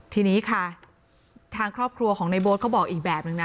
ทีนี้ค่ะทางครอบครัวของในโบ๊ทเขาบอกอีกแบบนึงนะ